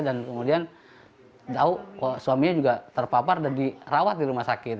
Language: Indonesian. dan kemudian suaminya juga terpapar dan dirawat di rumah sakit